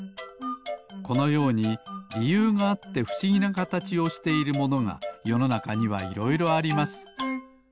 このようにりゆうがあってふしぎなかたちをしているものがよのなかにはいろいろあります。